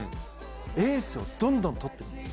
エースをどんどん取っていくんです。